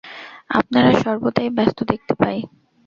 আপনারা সর্বদাই ব্যস্ত দেখতে পাই।